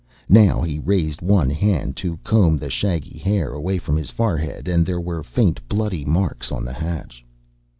Now he raised one hand to comb the shaggy hair away from his forehead, and there were faint bloody marks on the hatch.